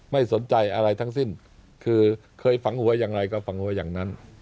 ไม่สนใจอะไรทั้งสิ้นคือเคยฝังหัวอย่างไรก็ฝังหัวอย่างนั้น